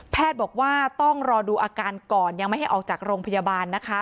บอกว่าต้องรอดูอาการก่อนยังไม่ให้ออกจากโรงพยาบาลนะคะ